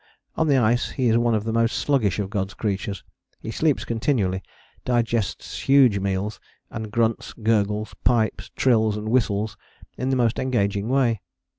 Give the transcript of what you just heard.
On the ice he is one of the most sluggish of God's creatures, he sleeps continually, digests huge meals, and grunts, gurgles, pipes, trills and whistles in the most engaging way.